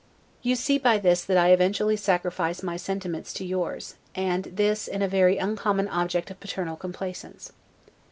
You see by this that I eventually sacrifice my sentiments to yours, and this in a very uncommon object of paternal complaisance.